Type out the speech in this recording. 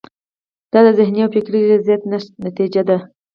دا د ذهني او فکري ریاضت نتیجه ده.